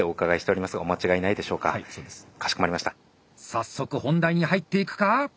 早速本題に入っていくか？